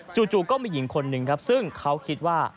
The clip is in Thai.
จู่ก็มีหญิงคนนึงซึ่งเขาคิดว่า